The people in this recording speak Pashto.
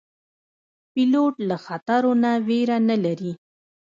پیلوټ له خطرو نه ویره نه لري.